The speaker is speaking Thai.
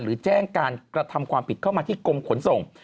แจ้งการกระทำความผิดเข้ามาที่กรมขนส่ง